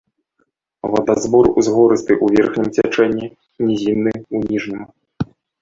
Вадазбор узгорысты ў верхнім цячэнні, нізінны ў ніжнім.